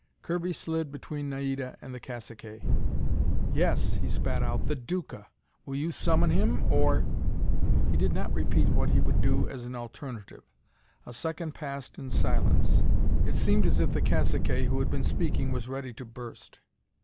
Kirby slid between Naida and the cacique. "Yes," he spat out, "the Duca! Will you summon him, or " He did not repeat what he would do as an alternative. A second passed in silence. It seemed as if the cacique who had been speaking was ready to burst.